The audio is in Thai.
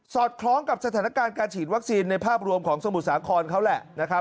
สอดคล้องกับสถานการณ์การฉีดวัคซีนในภาพรวมของสมุดสาขนเขาแหละ